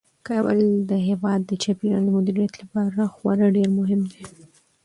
کابل د هیواد د چاپیریال د مدیریت لپاره خورا ډیر مهم دی.